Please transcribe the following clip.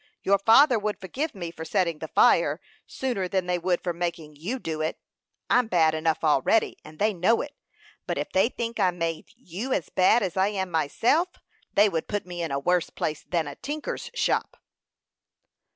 Your father would forgive me for setting the fire sooner than they would for making you do it. I'm bad enough already, and they know it; but if they think I make you as bad as I am myself, they would put me in a worse place than a tinker's shop."